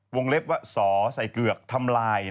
เล็บว่าสอใส่เกือกทำลาย